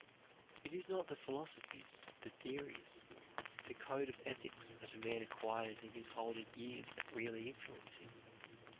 "It is not the philosophies, the theories, the code of ethics that a man acquires in his older years that really influence him.